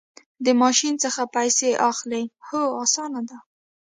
د ماشین څخه پیسې اخلئ؟ هو، اسانه ده